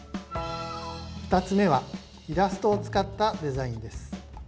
２つ目はイラストを使ったデザインです。